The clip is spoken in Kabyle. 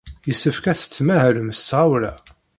Yessefk ad tettmahalem s tɣawla.